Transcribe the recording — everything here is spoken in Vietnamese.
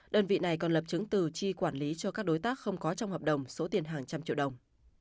đơn vị này còn lập chứng từ chi quản lý cho các đối tác không có trong hợp đồng số tiền hàng trăm triệu đồng